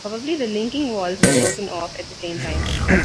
Probably the linking walls were broken off at the same time.